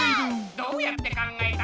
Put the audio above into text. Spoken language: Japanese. どうやって考えた？